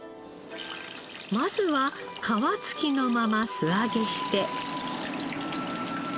まずは皮つきのまま素揚げして。